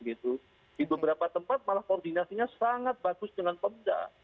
di beberapa tempat malah koordinasinya sangat bagus dengan pemda